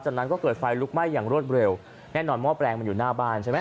จากนั้นก็เกิดไฟลุกไหม้อย่างรวดเร็วแน่นอนหม้อแปลงมันอยู่หน้าบ้านใช่ไหม